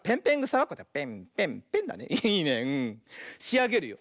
しあげるよ。